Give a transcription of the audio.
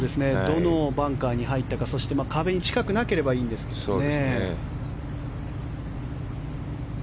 どのバンカーに入ったかそして壁に近くなければいいんですがね。